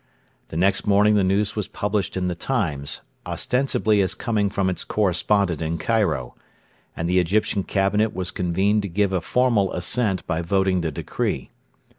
The next morning the news was published in the Times, ostensibly as coming from its correspondent in Cairo: and the Egyptian Cabinet was convened to give a formal assent by voting the decree.